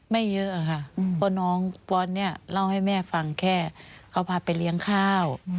ไม่เยอะค่ะเพราะน้องปอนเนี่ยเล่าให้แม่ฟังแค่เขาพาไปเลี้ยงข้าว